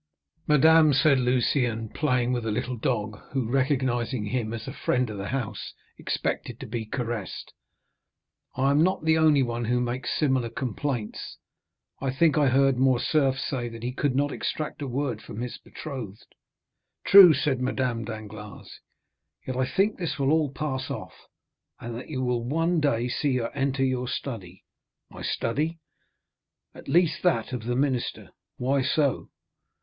"Madame," said Lucien, playing with a little dog, who, recognizing him as a friend of the house, expected to be caressed, "I am not the only one who makes similar complaints, I think I heard Morcerf say that he could not extract a word from his betrothed." "True," said Madame Danglars; "yet I think this will all pass off, and that you will one day see her enter your study." "My study?" "At least that of the minister." "Why so!"